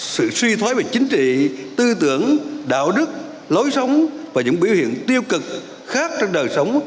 sự suy thoái về chính trị tư tưởng đạo đức lối sống và những biểu hiện tiêu cực khác trong đời sống